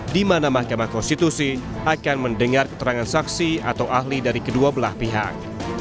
di mana mahkamah konstitusi akan mendengar keterangan saksi atau ahli dari kedua belah pihak